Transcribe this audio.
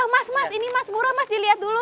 mas mas ini mas buro mas dilihat dulu